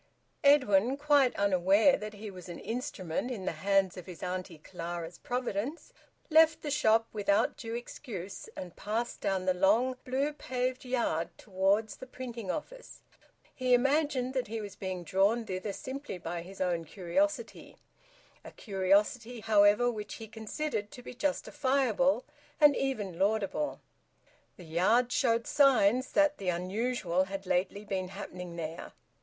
Edwin, quite unaware that he was an instrument in the hands of his Auntie Clara's Providence, left the shop without due excuse and passed down the long blue paved yard towards the printing office. He imagined that he was being drawn thither simply by his own curiosity a curiosity, however, which he considered to be justifiable, and even laudable. The yard showed signs that the unusual had lately been happening there.